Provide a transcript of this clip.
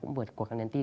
cũng vừa cột càng đèn tin